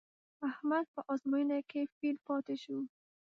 احمد په ازموینه کې فېل پاتې شو.